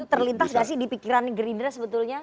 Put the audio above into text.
terlintas nggak sih di pikiran gerindra sebetulnya